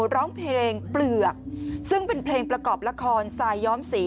ร้องเพลงเปลือกซึ่งเป็นเพลงประกอบละครสายย้อมสี